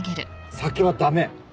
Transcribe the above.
酒は駄目！